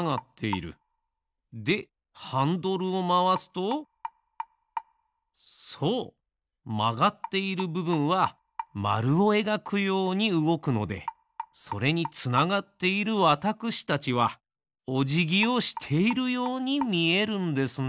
でハンドルをまわすとそうまがっているぶぶんはまるをえがくようにうごくのでそれにつながっているわたくしたちはおじぎをしているようにみえるんですね。